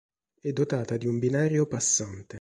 È dotata di un binario passante.